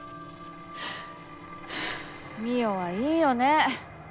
望緒はいいよね。